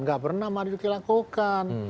nggak pernah marjokis lakukan